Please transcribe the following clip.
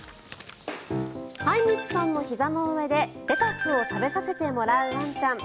飼い主さんのひざの上でレタスを食べさせてもらうワンちゃん。